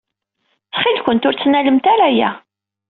Ttxil-kent ur ttnalemt ara aya.